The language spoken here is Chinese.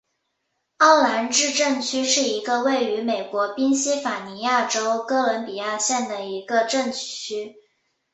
奥兰治镇区是一个位于美国宾夕法尼亚州哥伦比亚县的一个镇区。